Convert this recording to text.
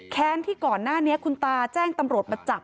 แค้นที่ก่อนหน้านี้คุณตาแจ้งตำรวจมาจับ